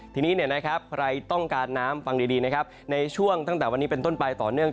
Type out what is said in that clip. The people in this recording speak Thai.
ทีนี้ใครต้องการน้ำฟังดีนะครับในช่วงตั้งแต่วันนี้เป็นต้นไปต่อเนื่อง